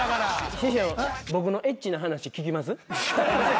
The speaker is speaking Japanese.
師匠僕のエッチな話聞きます？